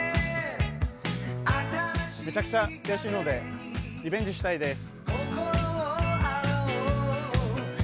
めちゃくちゃ悔しいのでリベンジしたいです。